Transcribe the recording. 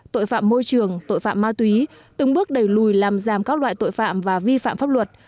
tội phạm môi trường tội phạm ma túy từng bước đẩy lùi làm giảm các loại tội phạm và vi phạm pháp luật